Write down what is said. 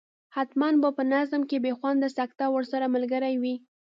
حتما به په نظم کې بې خونده سکته ورسره ملګرې وي.